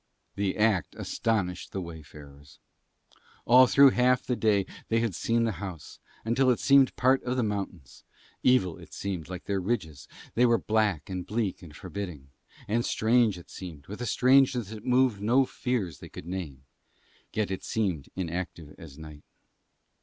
The act astonished the wayfarers. All through half the day they had seen the house, until it seemed part of the mountains; evil it seemed like their ridges, that were black and bleak and forbidding, and strange it seemed with a strangeness that moved no fears they could name, yet it seemed inactive as night.